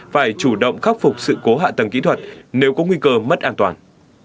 phải chủ động khắc phục sự cố hạ tầng kỹ thuật nếu có nguy cơ mất an toàn